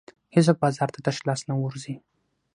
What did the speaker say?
هېڅوک بازار ته تش لاس نه ورځي.